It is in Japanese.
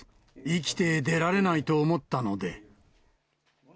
生きて出られないと思ったので。